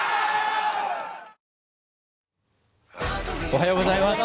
おはようございます。